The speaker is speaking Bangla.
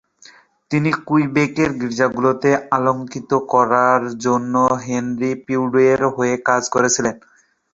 তিনি কুইবেকের গির্জাগুলো অলংকৃত করার জন্য হেনরি পেড্রিউয়ের হয়ে কাজ করেছিলেন।